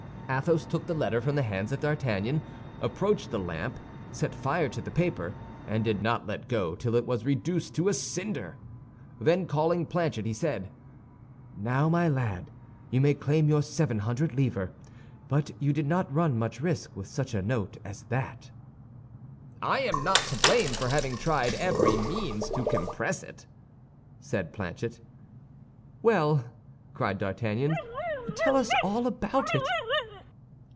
Athos took the letter from the hands of D'Artagnan, approached the lamp, set fire to the paper, and did not let go till it was reduced to a cinder. Then, calling Planchet, he said, "Now, my lad, you may claim your seven hundred livres, but you did not run much risk with such a note as that." "I am not to blame for having tried every means to compress it," said Planchet. "Well!" cried D'Artagnan, "tell us all about it."